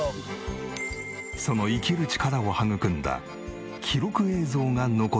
その生きる力を育んだ記録映像が残っているという。